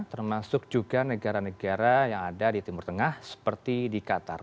termasuk juga negara negara yang ada di timur tengah seperti di qatar